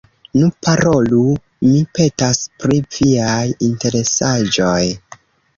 Nu, parolu, mi petas, pri viaj interesaĵoj.